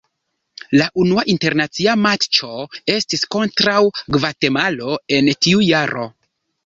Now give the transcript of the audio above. La unua internacia matĉo estis kontraŭ Gvatemalo en tiu jaro.